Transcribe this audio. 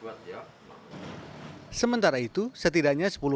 sementara itu setidaknya sepuluh orang yang berpengalaman untuk berpengalaman